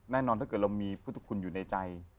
ถ้าเกิดเรามีพุทธคุณอยู่ในใจ